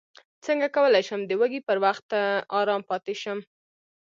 څنګه کولی شم د وږي پر وخت ارام پاتې شم